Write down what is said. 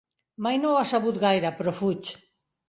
Mai no ho ha sabut gaire, però fuig.